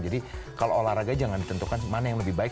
jadi kalau olahraga jangan ditentukan mana yang lebih baik